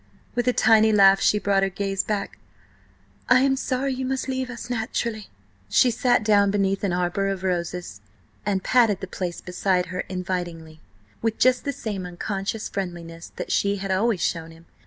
With a tiny laugh she brought her gaze back. "I am sorry you must leave us, naturally." She sat down beneath an arbour of roses, and patted the place beside her invitingly, with just the same unconscious friendliness that she had always shown him.